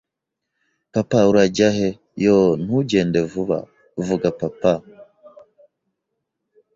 papa urajya heYoo ntugende vuba Vuga papa